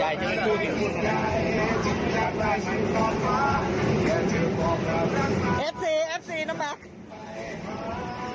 แอป๔แอป๔นะมาก